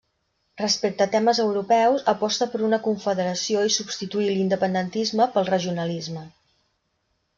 Respecte a temes europeus, aposta per una confederació i substituir l'independentisme pel regionalisme.